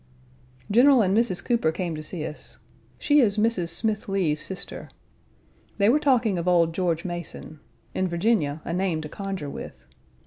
General and Mrs. Cooper came to see us. She is Mrs. Smith Lee's sister. They were talking of old George Mason in Virginia a name to conjure with.